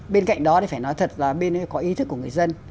bên cạnh đó thì phải nói thật là bên có ý thức của người dân